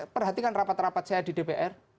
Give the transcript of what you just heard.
perhatikan rapat rapat saya di dpr